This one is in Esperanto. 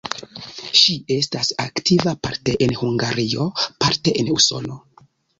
Ŝi estas aktiva parte en Hungario, parte en Usono.